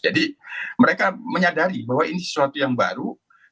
jadi mereka menyadari bahwa ini sesuatu yang baru